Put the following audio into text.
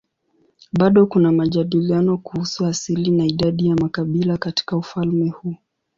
Bado kuna majadiliano kuhusu asili na idadi ya makabila katika ufalme huu.